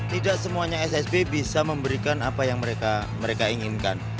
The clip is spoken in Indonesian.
tidak semuanya ssb bisa memberikan apa yang mereka inginkan